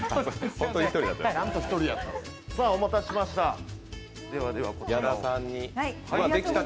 お待たせしました。